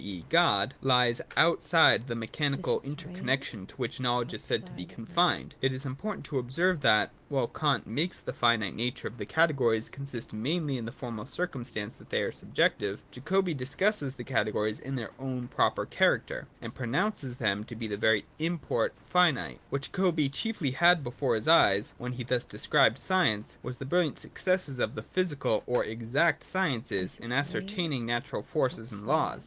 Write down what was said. e. God, lies outside of the mechanical inter connexion to which knowledge is said to be con fined. — It is important to observe that, while Kant makes the finite nature of the Categories consist mainlv in the formal circumstance that the}' are subjective, 62,63.] PHILOSOPHY OF JACOBI. 123 Jacobi discusses the Categories in their own proper character, and pronounces them to be in their very import finite. What Jacobi chiefly had before his eyes, when he thus described science, was the brilliant suc cesses of the physical or ' exact ' sciences in ascertaining natural forces and laws.